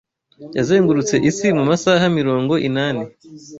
yazengurutse isi mu masaha mirongo inani